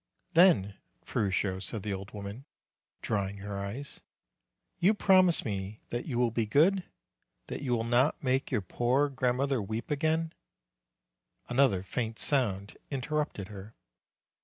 'Then, Ferruccio," said the old woman, drying her eyes, "you promise me that you will be good, that you will not make your poor grandmother weep again " Another faint sound interrupted her.